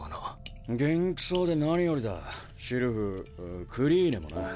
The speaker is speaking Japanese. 元気そうで何よりだシルフクリーネもな。